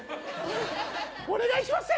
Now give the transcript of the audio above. お願いしますよ！